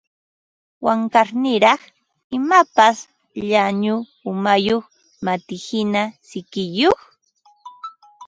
Wankarniraq, imapas llañu umayuq matihina sikiyuq